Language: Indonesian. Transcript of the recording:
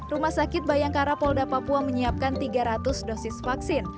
rumah sakit bayangkara polda papua menyiapkan tiga ratus dosis vaksin